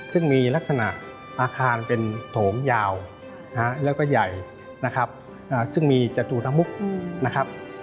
ซึ่งมีลักษณะอาคารเป็นโถงยาวและก็ใหญ่ซึ่งมีจตุธมุก